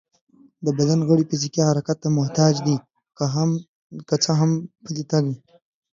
د بدن غړي فزيکي حرکت ته محتاج دي، که څه هم پلی تګ وي